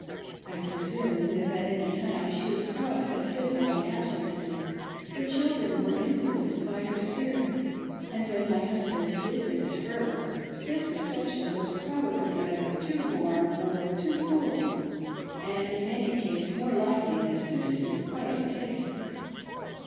I presume, if at any time she was cross at his long absences, the children were influenced by her spirit, and when my husband did visit her, his reception was probably either too warm or too cool, and, in any case, more lively than suited his quiet tastes.